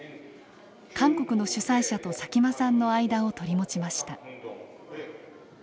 韓国の主催者と佐喜眞さんの間を取り持ちました。